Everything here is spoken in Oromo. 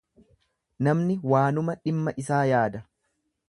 Namni waanuma dhimma isaa yaada.